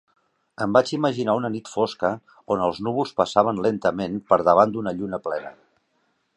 Em vaig imaginar una nit fosca on els núvols passaven lentament per davant d'una lluna plena.